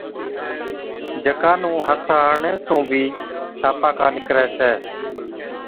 جڪا نُون هٿ هڻڻي سُون بِي ڇاپاڪا نِڪرَي ڇَي۔